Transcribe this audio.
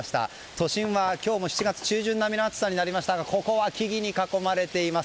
都心は今日も７月中旬並みの暑さになりましたがここは木々に囲まれています。